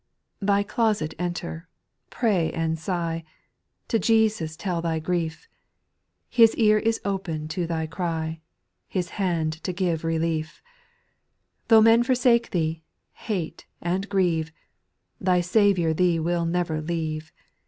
3. Thy closet enter, pray and sigh, To Jesus tell thy grief. His ear is open to thy cry. His hand to give relief; Tho' men forsake thee, hate, and grieve, Thy Saviour thee will never leave.